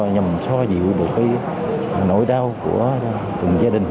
nhằm xoa dịu nỗi đau của từng gia đình